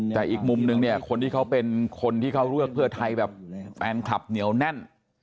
แต่อีกมุมนึงเนี่ยคนที่เขาเป็นคนที่เขาเลือกเพื่อไทยแบบแฟนคลับเหนียวแน่น